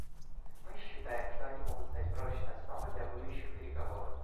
Мы считаем, что они могут стать прочной основой для будущих переговоров.